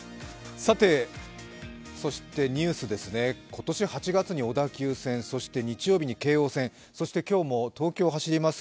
そしてニュースですね、今年８月に小田急線、そして日曜日に京王線、今日も東京を走ります